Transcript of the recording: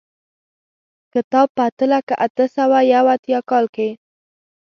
کتاب په اته لکه اته سوه یو اتیا کال کې.